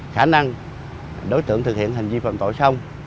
khả năng đối tượng thực hiện hành vi phạm tội xong